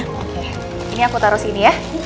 oke ini aku taruh sini ya